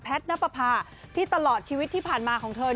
นับประพาที่ตลอดชีวิตที่ผ่านมาของเธอ